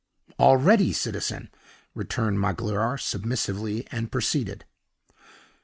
"All ready, citizen," returned Magloire, submissively, and proceeded: "(2.)